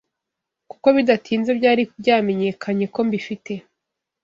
Kuko bidatinze byari byamenyekanye ko mbifite